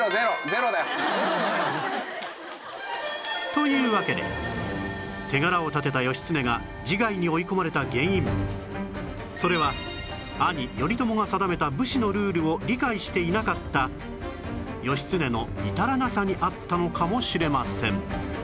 というわけで手柄を立てた義経が自害に追い込まれた原因それは兄頼朝が定めた武士のルールを理解していなかった義経の至らなさにあったのかもしれません